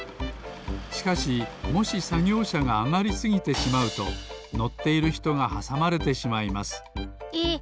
しかしもしさぎょうしゃがあがりすぎてしまうとのっているひとがはさまれてしまいますえっ！